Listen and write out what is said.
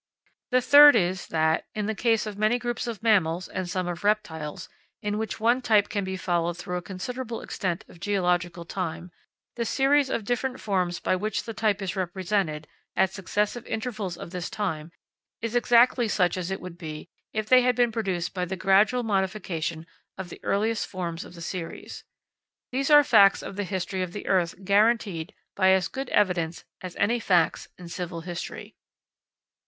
The third is that, in the case of many groups of mammals and some of reptiles, in which one type can be followed through a considerable extent of geological time, the series of different forms by which the type is represented, at successive intervals of this time, is exactly such as it would be, if they had been produced by the gradual modification of the earliest forms of the series. These are facts of the history of the earth guaranteed by as good evidence as any facts in civil history.